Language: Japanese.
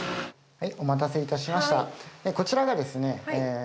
はい。